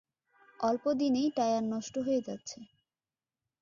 অল্প দিনেই টায়ার নষ্ট হয়ে যাচ্ছে।